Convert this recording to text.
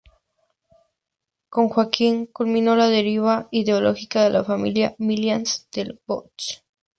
Con Joaquín, culminó la deriva ideológica de la familia Milans del Bosch.